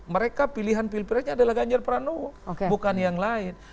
mereka pilihan pilpresnya adalah ganjar pranowo bukan yang lain